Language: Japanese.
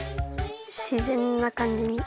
しぜんなかんじに。